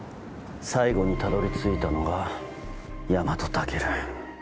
最後にたどり着いたのが大和猛流。